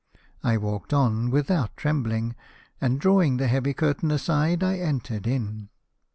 I walked on without trembling, and drawing the heavy curtain aside I entered in.